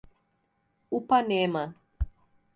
Upanema